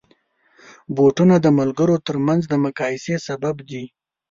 بوټونه د ملګرو ترمنځ د مقایسې سبب دي.